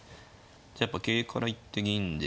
じゃあやっぱ桂から行って銀で。